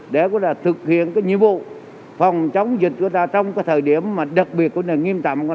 để thực hiện nhiệm vụ phòng chống dịch trong thời điểm đặc biệt nghiêm tạm